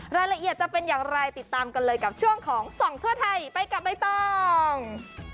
รายละเอียดจะเป็นอย่างไรติดตามกันเลยกับช่วงของส่องทั่วไทยไปกับใบตอง